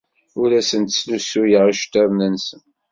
Ur asen-slusuyeɣ iceḍḍiḍen-nsen.